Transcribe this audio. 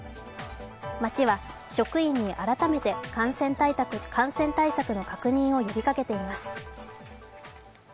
町は職員に改めて感染対策の確認を呼びかけています。